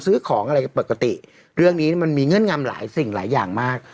ซื้อของอะไรปกติเรื่องนี้มันมีเงื่อนงำหลายสิ่งหลายอย่างมาก